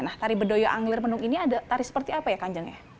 nah tari bedoyo anglir mendung ini ada tari seperti apa ya kanjengnya